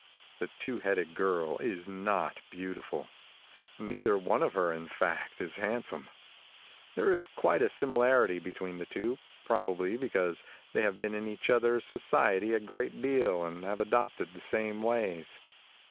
The two headed girl is not beautiful. Neither one of her, in fact, is handsome. There is quite a similarity between the two, probably because they have been in each other's society a great deal and have adopted the same ways.